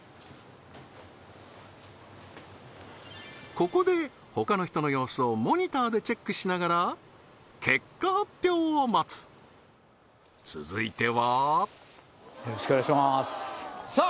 ここでほかの人の様子をモニターでチェックしながら結果発表を待つ続いてはよろしくお願いしまーすさあ